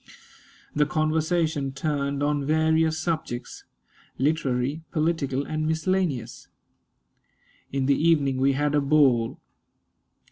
The conversation turned on various subjects literary, political, and miscellaneous. In the evening we had a ball.